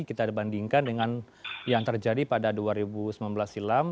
kita dibandingkan dengan yang terjadi pada dua ribu sembilan belas silam